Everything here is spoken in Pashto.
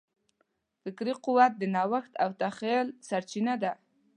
فکري قوت د نوښت او تخیل سرچینه ده.